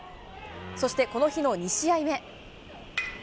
そしてこの日の２試合目。